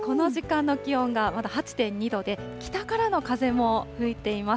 そしてけさは寒くてですね、この時間の気温がまだ８．２度で、北からの風も吹いています。